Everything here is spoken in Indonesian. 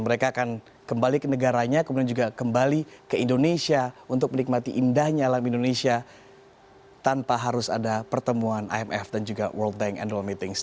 mereka akan kembali ke negaranya kemudian juga kembali ke indonesia untuk menikmati indahnya alam indonesia tanpa harus ada pertemuan imf dan juga world bank annual meetings